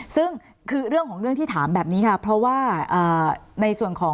ซึ่งคือเรื่องของเรื่องที่ถามแบบนี้ค่ะเพราะว่าในส่วนของ